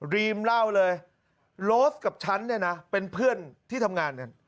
รีมเล่าเลยโรสกับฉันเนี่ยนะเป็นเพื่อนที่ทำงานกัน